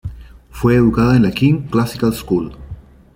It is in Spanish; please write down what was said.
Fue educada en la King Classical School.